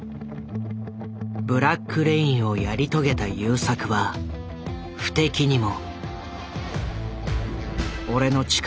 「ブラック・レイン」をやり遂げた優作は不敵にも。